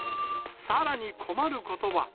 さらに困ることは。